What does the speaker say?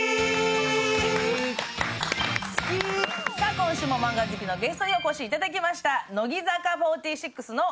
今週もマンガ好きのゲストにお越しいただきました。